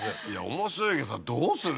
面白いけどさどうする？